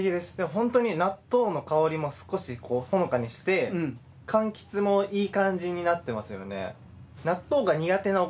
ホントに納豆の香りも少しほのかにして柑橘もいい感じになってますよね。